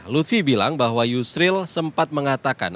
lutfi bilang bahwa yusril sempat mengatakan